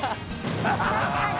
確かに。